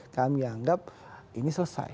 kami anggap ini selesai